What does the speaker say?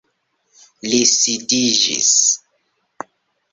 Li sidiĝis.